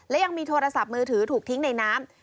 และยังมีโทรศัพท์มือถือถูกทิ้งในน้ำ